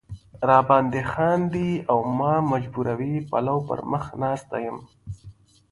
را باندې خاندي او ما محجوبوي پلو پر مخ ناسته یم.